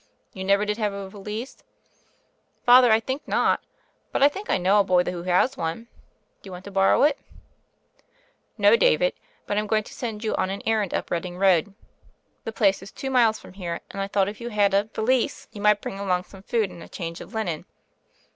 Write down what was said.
"You never did have a valise?" "Father, I think not. But I think I know a boy who has one. Do you want to borrow it?" "No, David; but I'm going to send yon on an errand up Reading Road. The place is two miles from here, and I thought if you hud a ii6 THE FAIRY OF THE SNOWS valise you might bring along some food and a change of linen.'